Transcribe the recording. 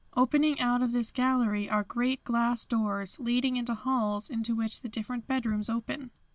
Opening out of this gallery are great glass doors leading into halls into which the different bedrooms open.